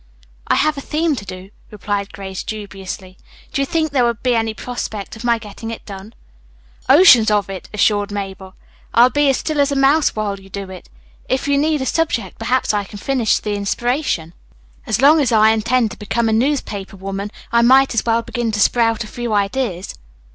"I have a theme to do," replied Grace dubiously. "Do you think there would be any prospect of my getting it done?" "Oceans of it," assured Mabel glibly. "I'll be as still as a mouse while you do it. If you need a subject perhaps I can furnish the inspiration. As long as I intend to become a newspaper woman I might as well begin to sprout a few ideas."